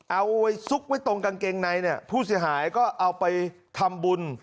เอาไว้ซุกไว้ตรงกางเกงในเนี่ยผู้เสียหายก็เอาไปทำบุญ